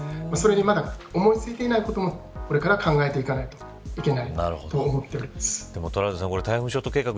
それにまだ思いついていないこともこれから考えていかないといけないトラウデンさん